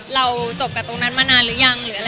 เราจบไปตรงนั้นมานานหรือยัง